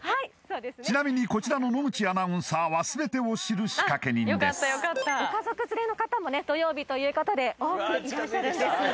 ちなみにこちらの野口アナウンサーは全てを知る仕掛人ですご家族連れの方もね土曜日ということで多くいらっしゃるんですよね